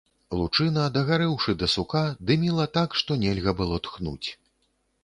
Лучына, дагарэўшы да сука, дыміла так, што нельга было тхнуць.